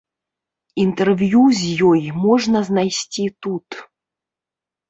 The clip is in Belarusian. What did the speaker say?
Інтэрв'ю з ёй можна знайсці тут.